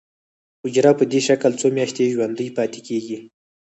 حجره په دې شکل څو میاشتې ژوندی پاتې کیږي.